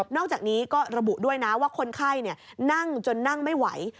อกจากนี้ก็ระบุด้วยนะว่าคนไข้นั่งจนนั่งไม่ไหว